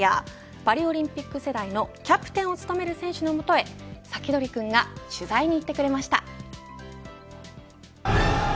パリオリンピック世代のキャプテンを務める選手のもとへサキドリくんが取材に行ってくれました。